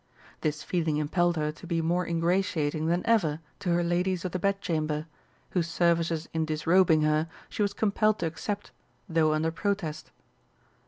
This feeling impelled her to be more ingratiating than ever to her ladies of the Bedchamber, whose services in disrobing her she was compelled to accept, though under protest.